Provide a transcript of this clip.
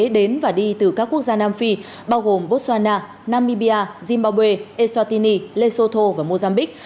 đến và đi từ các quốc gia nam phi bao gồm botswana namibia zimbabwe eswatini lesotho và mozambique